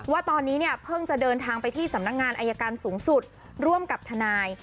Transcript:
ว่าตอนนี้เนี่ยเพิ่งจะเดินทางไปที่สำนักงานอายการสูงสุดร่วมกับทนาย